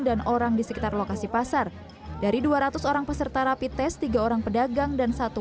dan orang di sekitar lokasi pasar dari dua ratus orang peserta rapi tes tiga orang pedagang dan satu